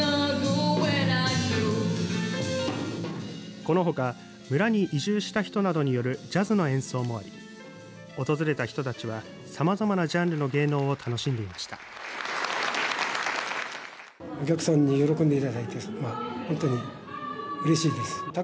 このほか村に移住した人などによるジャズの演奏もあり訪れた人たちはさまざまなジャンルの芸能を楽しんでいました。